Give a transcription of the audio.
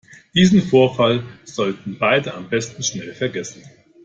Diesen Vorfall sollten beide am besten schnell vergessen.